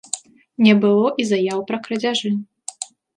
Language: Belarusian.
Не было і заяў пра крадзяжы.